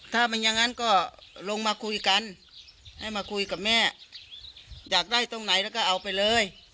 ถ้ามันอย่างนั้นก็ลงมาคุยกันให้มาคุยกับแม่อยากได้ตรงไหนแล้วก็เอาไปเลย